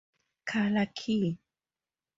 Colour key